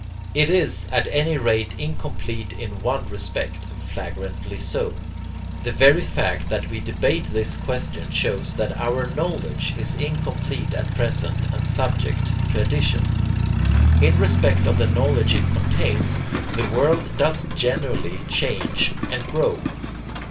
It IS at any rate incomplete in one respect, and flagrantly so. The very fact that we debate this question shows that our KNOWLEDGE is incomplete at present and subject to addition. In respect of the knowledge it contains the world does genuinely change and grow.